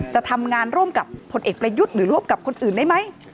จะทำงานร่วมกับผลเอกประยุทธ์หรือร่วมกับคนอื่นได้ไหม